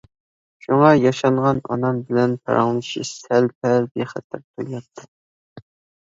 شۇڭا ياشانغان ئانام بىلەن پاراڭلىشىش سەل-پەل بىخەتەر تۇيۇلاتتى.